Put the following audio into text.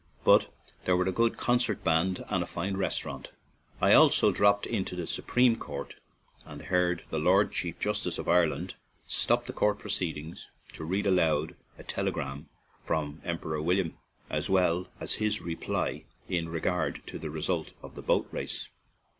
But there were a good concert band and a fine restaurant. I also dropped into the Supreme Court and heard the Lord Chief Justice of Ireland stop the court proceedings to read aloud a telegram from Emperor William, as well as his reply, in regard to the result of the boat race.